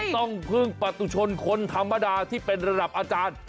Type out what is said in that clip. ต้องพึ่งปฏุชนคนธรรมดาที่เป็นระดับอาจารย์